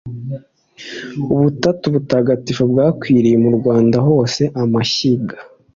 Ubutatu butagatifu bwakwiriye mu Rwanda hose-Amashyiga.